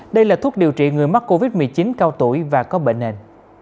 đây là thuốc điều trị người mắc covid một mươi chín cao tuổi và có bệnh nền